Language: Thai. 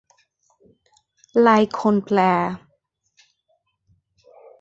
หลายคนแปล